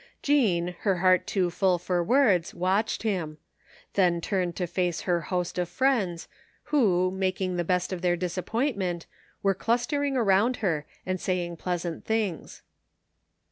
Jean, her heart too full for words, watched him; then turned to face her host of friends, who, making the best of their disappointment, were clustering around her and saying pleasant things.